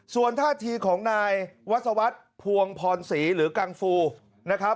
ส่วนท่าทีของนายวัศวรรษภวงพรศรีหรือกังฟูนะครับ